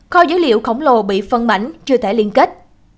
kho dữ liệu khổng lồ bị phân mảnh chưa thể liên kết